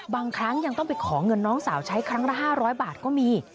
บางครั้งยังต้องไปขอเงินน้องสาวใช้ครั้งละ๕๐๐บาทก็มี